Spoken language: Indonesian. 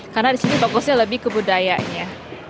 karena di sini fokusnya lebih ke budayanya